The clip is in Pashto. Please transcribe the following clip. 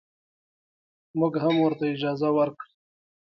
موږ هم ورته اجازه ورکړه.